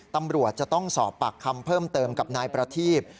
ตำรวจจะต้องสอบปากคำเพิ่มเติมกับนายประทีบ